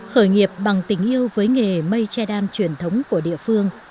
khởi nghiệp bằng tình yêu với nghề mây che đan truyền thống của địa phương